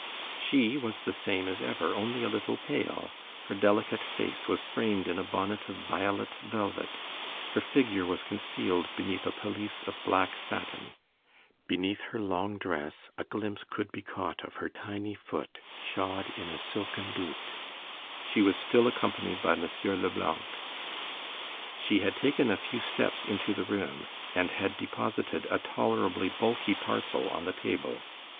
She was the same as ever, only a little pale; her delicate face was framed in a bonnet of violet velvet, her figure was concealed beneath a pelisse of black satin. Beneath her long dress, a glimpse could be caught of her tiny foot shod in a silken boot. She was still accompanied by M. Leblanc. She had taken a few steps into the room, and had deposited a tolerably bulky parcel on the table.